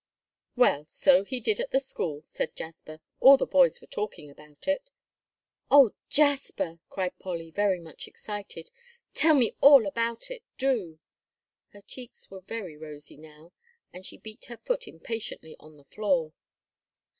"Well, so he did at the school," said Jasper; "all the boys were talking about it." "Oh, Jasper," cried Polly, very much excited, "tell me all about it. Do." Her cheeks were very rosy now, and she beat her foot impatiently on the floor.